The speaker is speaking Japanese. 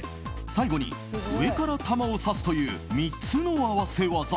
最後に上から玉を刺すという３つの合わせ技。